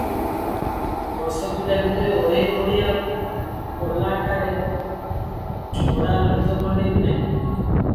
ବର୍ଷ ଦୁଇଟା ଭିତରେ ଅଢ଼େଇ ବୋଡ଼ିଆ ପଲାଟାରେ ଛଡ଼ା ଲାଞ୍ଜ ଖଣ୍ଡେ ବି ନାହିଁ ।